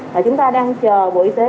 và chúng ta đang chờ bộ y tế